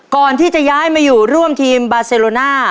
ก่อนที่จะย้ายมาอยู่ร่วมทีมบาเซโรน่า